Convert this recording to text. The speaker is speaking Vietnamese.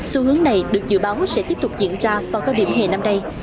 xu hướng này được dự báo sẽ tiếp tục diễn ra vào các điểm hẹn năm nay